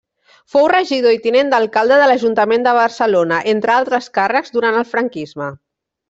Fou regidor i tinent d'alcalde de l'Ajuntament de Barcelona, entre altres càrrecs durant el franquisme.